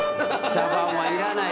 茶番はいらない。